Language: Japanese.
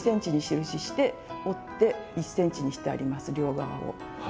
２ｃｍに印して折って１ｃｍにしてあります両側を。